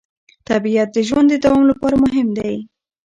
طبیعت د ژوند د دوام لپاره مهم دی